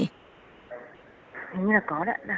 hình như là có đấy ạ